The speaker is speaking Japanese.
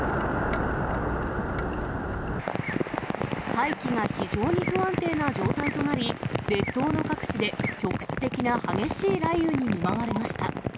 大気が非常に不安定な状態となり、列島の各地で局地的な激しい雷雨に見舞われました。